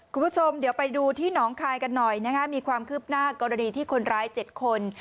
คุณผู้ชมเดี๋ยวไปดูที่หนองคายกันหน่อยนะคะมีความคืบหน้ากรณีที่คนร้าย๗คน